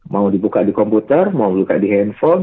mau dibuka di komputer mau dibuka di handphone